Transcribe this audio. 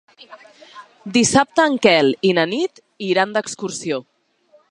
Dissabte en Quel i na Nit iran d'excursió.